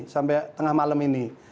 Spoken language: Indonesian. sampai tengah malam ini